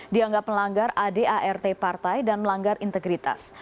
dianggap melanggar adart partai dan melanggar integritas